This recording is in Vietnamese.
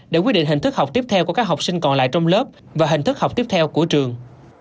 để quyết định hình thức học tiếp theo của các học sinh còn lại trong lớp và hình thức học tiếp theo của trường